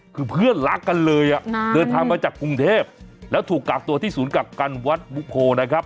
คือเพื่อนรักกันเลยอ่ะเดินทางมาจากกรุงเทพแล้วถูกกากตัวที่ศูนย์กักกันวัดบุโพนะครับ